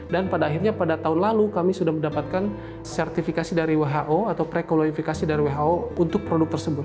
dan pada akhirnya pada tahun lalu kami sudah mendapatkan sertifikasi dari who atau prekoloifikasi dari who untuk produk tersebut